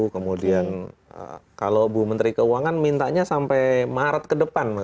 kemudian kalau bu menteri keuangan mintanya sampai maret ke depan